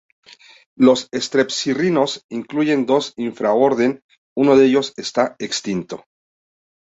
Los estrepsirrinos incluyen dos infraorden; uno de ellos está extinto.